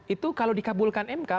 itu kalau dikabulkan mk